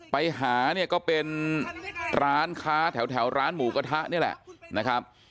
ไปหาเนี่ยก็เป็นร้านค้าแถวร้านหมูกระทะนี่แหละนะครับ